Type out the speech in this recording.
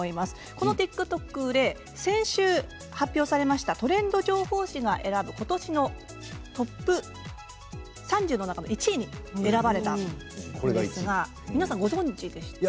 このＴｉｋＴｏｋ売れ先週発表されましたトレンド情報誌が選ぶ、ことしのトップ３０の中の１位に選ばれたんですが皆さんご存じでしたか。